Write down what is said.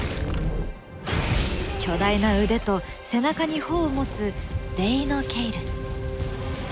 巨大な腕と背中に帆を持つデイノケイルス。